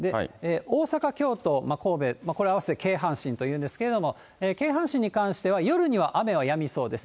大阪、京都、神戸、これ合わせて京阪神というんですけれども、京阪神に関しては、夜には雨はやみそうです。